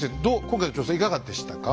今回の調査いかがでしたか？